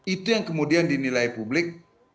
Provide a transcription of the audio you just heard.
itu yang kemudian dinilai publik